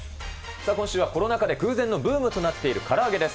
さあ、今週はコロナ禍で空前のブームとなっているから揚げです。